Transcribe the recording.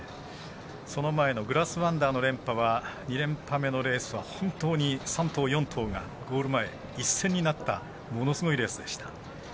その前のグラスワンダーの連覇は２連覇目のレースは本当に３頭、４頭がゴール前、一線になったものすごいレースでした。